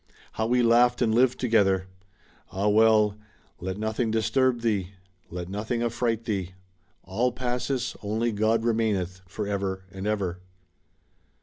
How we laughed and lived together! Ah, well: Let nothing disturb thee^ Let nothing affright thee. All passes^ Only God remaineth For ever and ever.